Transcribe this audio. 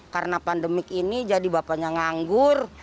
karena pandemik ini jadi bapaknya nganggur